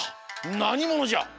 なにものじゃ！